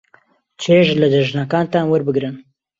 چێژ لە جەژنەکانتان وەربگرن.